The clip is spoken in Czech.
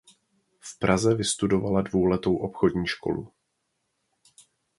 V Praze vystudovala dvouletou obchodní školu.